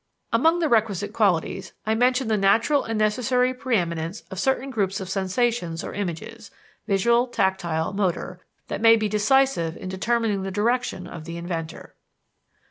Among the requisite qualities I mention the natural and necessary preëminence of certain groups of sensations or images (visual, tactile, motor) that may be decisive in determining the direction of the inventor.